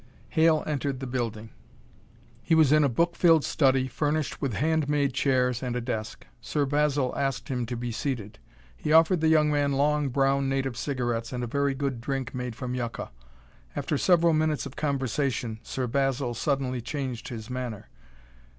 Hale entered the building. He was in a book filled study, furnished with hand made chairs and a desk. Sir Basil asked him to be seated. He offered the young man long, brown native cigarettes and a very good drink made from yucca. After several minutes of conversation, Sir Basil suddenly changed his manner.